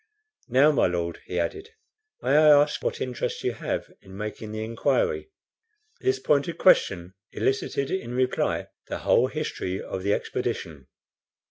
"Now, my Lord," he added, "may I ask what interest you have in making the inquiry?" This pointed question elicited in reply the whole history of the expedition.